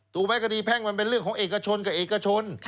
ถูกไหมคดีแพ่งมันเป็นเรื่องของเอกชนกับเอกชน